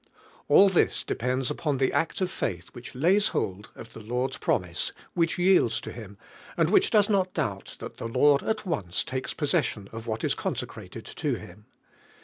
All this depends upon the act of faith which lays hold of the Lord's promise, which yields to Him, and which does not doubt w 1'JVJKU MEALING,. that the Lord at once takes possession of what is consecrated to Him.